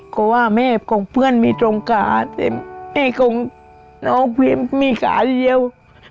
ก็ว่าแม่ของเพื่อนมีตรงกาแต่แม่ของน้องพิมพ์มีขาเดียว